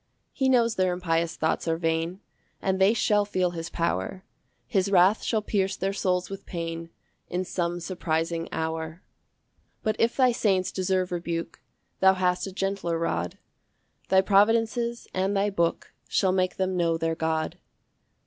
3 He knows their impious thoughts are vain, And they shall feel his power; His wrath shall pierce their souls with pain In some surprising hour. 4 But if thy saints deserve rebuke, Thou hast a gentler rod; Thy providences and thy book Shall make them know their God.